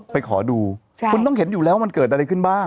ขอดูคุณต้องเห็นอยู่แล้วมันเกิดอะไรขึ้นบ้าง